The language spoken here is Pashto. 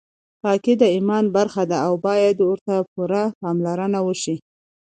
پاکي د ایمان برخه ده او باید ورته پوره پاملرنه وشي.